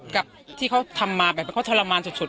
กับที่เขาทำมาแบบเขาทรมานสุด